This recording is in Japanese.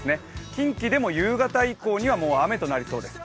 近畿でも夕方以降には雨となりそうです。